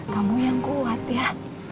kamu yang kuat ya